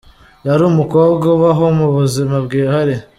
Yari umukobwa ubaho mu buzima bwihariye